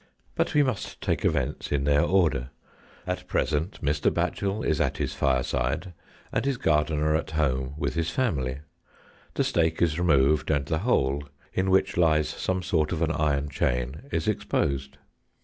But we must take events in their order. At present Mr. Batchel is at his fireside, and his gardener at home with his family. The stake is removed, and the hole, in which lies some sort of an iron chain, is exposed.